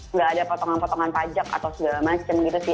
nggak ada potongan potongan pajak atau segala macam gitu sih